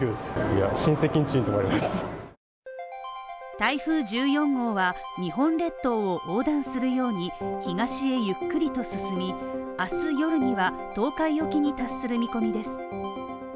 台風１４号は日本列島を横断するように東へゆっくりと進み明日夜には東海沖に達する見込みです。